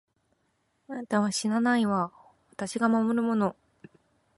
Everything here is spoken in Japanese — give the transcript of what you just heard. あなたは死なないわ、私が守るもの。